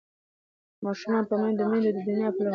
ماشومان په منډو منډو د نیا په لور ورغلل.